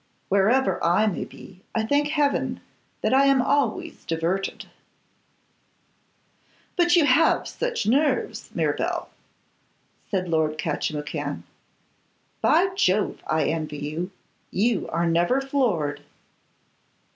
Wherever I may be, I thank heaven that I am always diverted.' 'But you have such nerves, Mirabel,' said Lord Catchimwhocan. 'By Jove! I envy you. You are never floored.